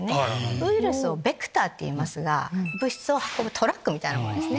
ウイルスをベクターっていいますが物質を運ぶトラックみたいなものですね。